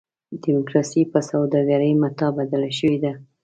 ډیموکراسي په سوداګرۍ متاع بدله شوې ده.